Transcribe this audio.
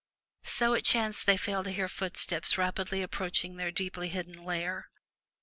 So it chanced they failed to hear footsteps rapidly approaching their deeply hidden lair.